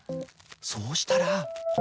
そうしたら。